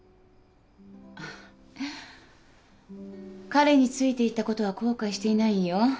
彼についていったことは後悔していないんよ。